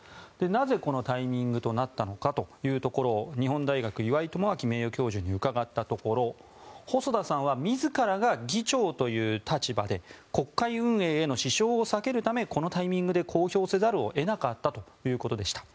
なぜこのタイミングとなったのかというところを日本大学、岩井奉信名誉教授に伺ったところ細田さんは自らが議長という立場で国会運営への支障を避けるためこのタイミングで公表せざるを得なかったということでした。